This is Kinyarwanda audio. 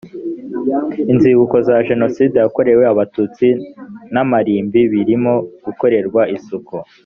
inzibutso za jenoside yakorewe abatutsi n’amarimbi birimo gukorerwa isuku